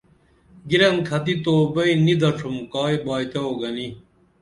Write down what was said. گِرنکھتی تو بئیں نی دڇُھم کائی بائتو گنی